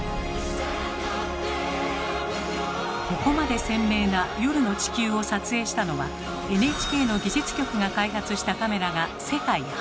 ここまで鮮明な夜の地球を撮影したのはＮＨＫの技術局が開発したカメラが世界初。